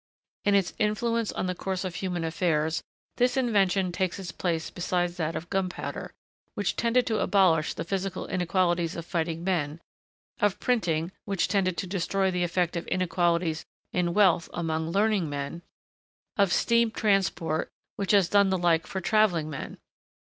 In its influence on the course of human affairs, this invention takes its place beside that of gunpowder, which tended to abolish the physical inequalities of fighting men; of printing, which tended to destroy the effect of inequalities in wealth among learning men; of steam transport, which has done the like for travelling men.